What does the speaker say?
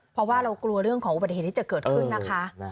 เพราะว่าเรากลัวเรื่องของอุบัติเหตุที่จะเกิดขึ้นนะคะ